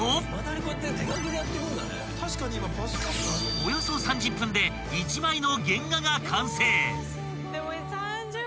［およそ３０分で１枚の原画が完成］